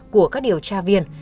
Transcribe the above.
của các điều tra viên